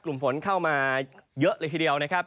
กลุ่มฝนเข้ามาเยอะเลยทีเดียวนะครับ